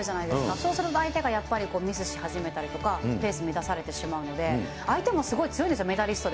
そうすると、相手がやっぱりミスし始めたりとか、ペース乱されてしまうので、相手もすごい強いんですよ、メダリストで。